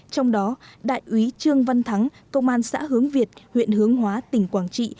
trong đó đại úy trương văn thắng công an xã hướng việt huyện hướng hóa tỉnh quảng trị